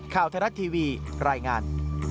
ข่าวไทยรัฐทีวีรายงาน